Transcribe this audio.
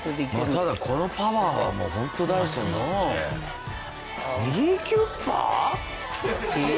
ただこのパワーはもうホントダイソンの。え！